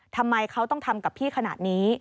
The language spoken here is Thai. ทำไมเขาต้องทำกับพี่ขนาดนี้